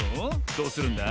どうするんだ？